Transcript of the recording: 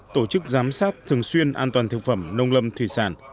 tổ chức giám sát thường xuyên an toàn thực phẩm nông lâm thủy sản